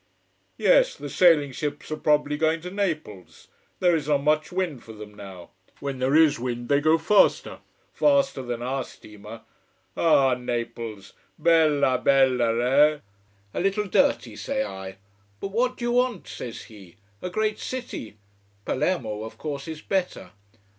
Yes, the sailing ships are probably going to Naples. There is not much wind for them now. When there is wind they go fast, faster than our steamer. Ah Naples bella, bella, eh? A little dirty, say I. But what do you want? says he. A great city! Palermo of course is better.